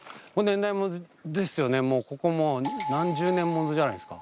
ここもう何十年物じゃないですか。